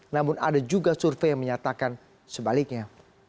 namun ada juga survei yang menyatakan sebaliknya